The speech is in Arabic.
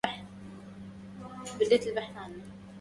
يبيع الكماة الذائدون دماءهم